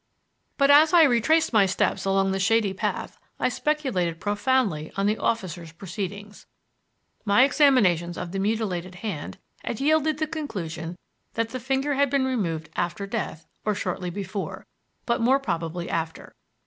But as I retraced my steps along the shady path I speculated profoundly on the officer's proceedings. My examinations of the mutilated hand had yielded the conclusion that the finger had been removed after death or shortly before, but more probably after.